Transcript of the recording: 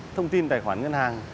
thông tin tài khoản ngân hàng